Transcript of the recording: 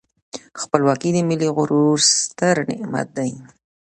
خپلواکي د ملي غرور ستر نعمت دی.